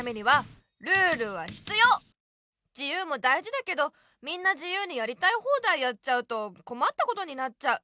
じゆうもだいじだけどみんなじゆうにやりたいほうだいやっちゃうとこまったことになっちゃう。